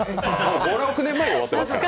５６年前に終わってますから。